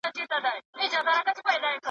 هلک له کړکۍ څخه د اوبو کوزه لاندې وغورځوله.